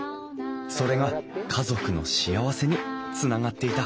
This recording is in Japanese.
それが家族の幸せにつながっていた